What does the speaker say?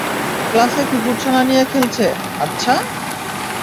ক্লাসে কুকুরছানা নিয়ে খেলছে, আচ্ছা?